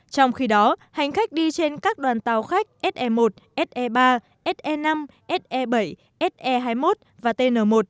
trong khi đó hành khách đi trên các đoàn tàu khách se một se ba se năm se bảy se hai mươi một và tn một